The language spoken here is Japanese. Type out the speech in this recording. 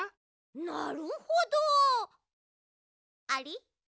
なるほどあり？